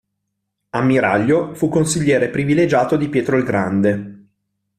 Ammiraglio, fu consigliere privilegiato di Pietro il Grande.